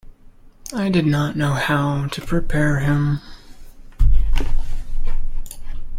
I did not know how to prepare him..